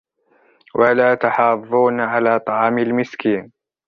وَلَا تَحَاضُّونَ عَلَى طَعَامِ الْمِسْكِينِ